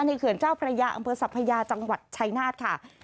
เขื่อนเจ้าพระยาอำเภอสัพยาจังหวัดชัยนาธค่ะ